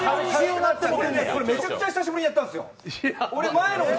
めちゃめちゃ久しぶりにやったんですよ。